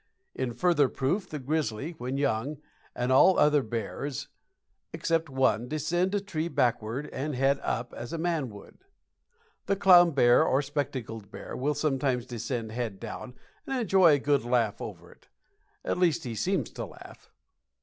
In further proof the grizzly, when young, and all other bears, except one, descend a tree backward and head up, as a man would. The clown bear, or spectacled bear, will sometimes descend head down and enjoy a good laugh over it. At least he seems to laugh.